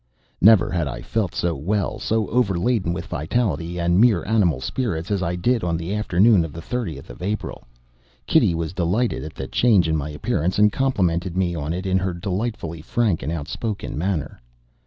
Never had I felt so well, so overladen with vitality and mere animal spirits, as I did on the afternoon of the 30th of April. Kitty was delighted at the change in my appearance, and complimented me on it in her delightfully frank and outspoken manner.